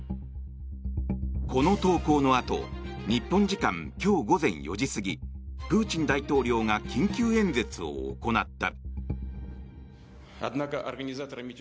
この投稿のあと日本時間今日午前４時過ぎプーチン大統領が緊急演説を行った。